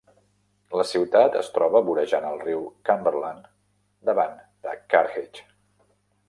La ciutat es troba vorejant el riu Cumberland, davant de Carthage.